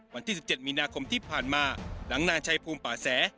วันที่๑๗มีนาคมที่ผ่านมาหลังนายชัยภูมิป่าแส